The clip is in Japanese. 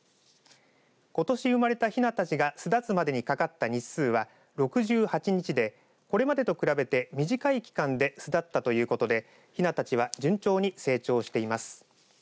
ことし生まれたひなたちが巣立つまでにかかった日数は６８日で、これまでと比べて短い期間で巣立ったということでひなたちは順調に成長しています。